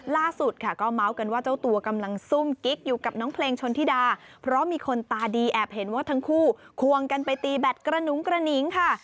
ล่าสุดค่ะก็เมาส์กันว่าเจ้าตัวกำลังซุ่มกิ๊กอยู่กับน้องเพลงชนธิดาเพราะมีคนตาดีแอบเห็นว่าทั้งคู่ควงกันไปตีแบตกระหนุงกระหนิงค่ะ